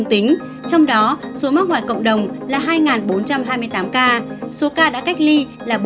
trong đó số mắc ngoài cộng đồng là hai bốn trăm hai mươi tám ca số ca đã cách ly là bốn ba trăm một mươi một ca